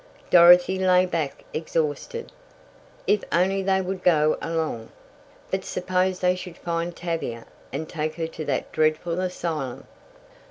Dorothy lay back exhausted. If only they would go along! But suppose they should find Tavia, and take her to that dreadful asylum!